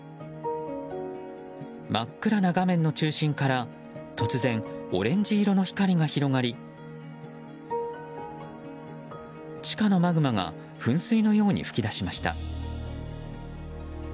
真っ暗な画面の中心から突然、オレンジ色の光が広がり地下のマグマが噴水のように噴き出しました。